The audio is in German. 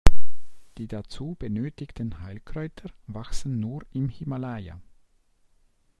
Die dazu benötigten Heilkräuter wachsen nur im Himalaja.